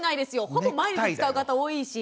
ほぼ毎日使う方多いし。